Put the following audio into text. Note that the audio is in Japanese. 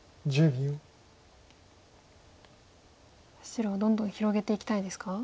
白はどんどん広げていきたいですか？